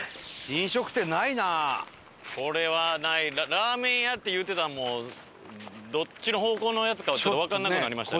ラーメン屋って言うてたんもどっちの方向のやつかもわからなくなりましたね。